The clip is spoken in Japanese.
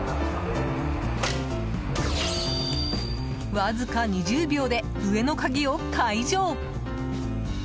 わずか２０秒で、上の鍵を解錠。